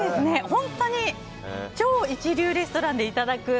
本当に超一流レストランでいただく。